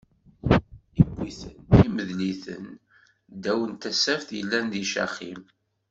Iwwi-ten imeḍl-iten ddaw n tasaft yellan di Caxim.